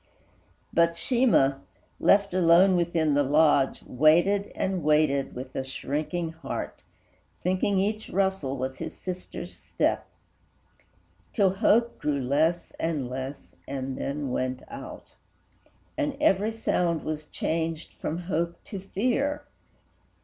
But Sheemah, left alone within the lodge, Waited and waited, with a shrinking heart, Thinking each rustle was his sister's step, Till hope grew less and less, and then went out, And every sound was changed from hope to fear.